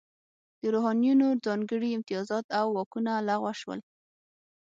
د روحانینو ځانګړي امتیازات او واکونه لغوه شول.